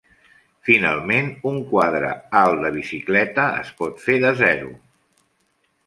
Finalment, un quadre alt de bicicleta es pot fer de zero.